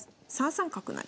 ３三角成。